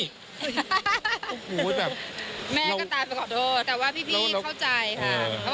แม่ก็ตายไปขอโทษแต่ว่าพี่เข้าใจค่ะ